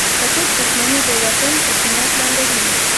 که څوک دوښمني په وطن په قیمت لنډوي.